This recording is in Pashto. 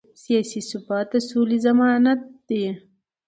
سیاسي ثبات د سولې ضمانت دی